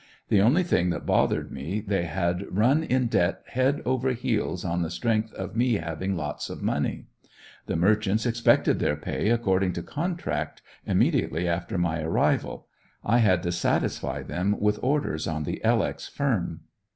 The only thing that bothered me they had run in debt head over heels on the strength of me having lots of money. The merchants expected their pay according to contract, immediately after my arrival. I had to satisfy them with orders on the "L. X." firm.